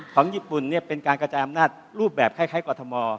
ของญี่ปุ่นเป็นการกระจายอำนาจรูปแบบคล้ายกรทม